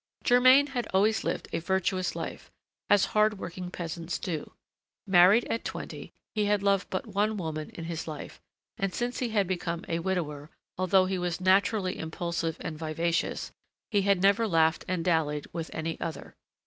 Germain had always lived a virtuous life, as hard working peasants do. Married at twenty, he had loved but one woman in his life, and since he had become a widower, although he was naturally impulsive and vivacious, he had never laughed and dallied with any other.